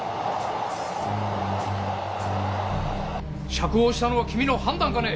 釈放したのは君の判断かね？